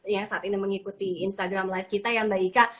yang saat ini mengikuti instagram live kita ya mbak ika